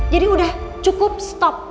jadi udah cukup stop